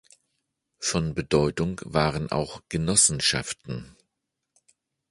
Von Bedeutung waren auch "Genossenschaften".